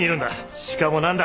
しかも何だ！？